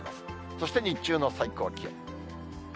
そして日中の最高気温。